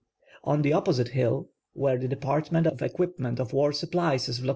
On the opposite hill, where the Department of Equipment of War Supplies is located, DR.